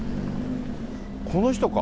この人か。